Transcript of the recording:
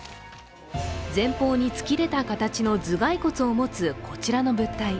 前方に突き出た形の頭蓋骨を持つこちらの物体。